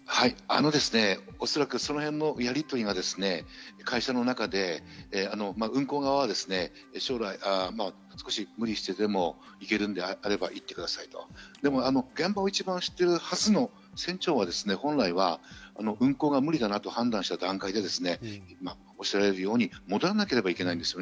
おそらくその辺のやりとりが会社の中で運航側は少し無理をしてでも行けるのであれば行ってくださいと現場を一番知っているはずの船長は、本来は運航が無理だなと判断した段階でおっしゃるように戻らなければいけないです。